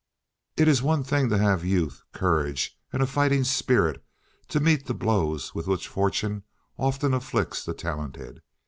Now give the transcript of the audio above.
It is one thing to have youth, courage, and a fighting spirit to meet the blows with which fortune often afflicts the talented.